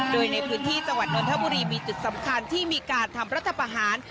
โดยในพื้นที่จังหวัดนทบุรีมีจุดสำคัญที่มีการทำรัฐประหาร